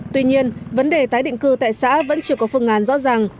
tuy nhiên vấn đề tái định cư tại xã vẫn chưa có phương án rõ ràng